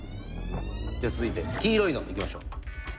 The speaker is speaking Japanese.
じゃあ続いて黄色いのいきましょう。